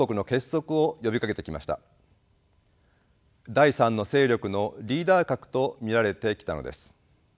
第３の勢力のリーダー格と見られてきたのです。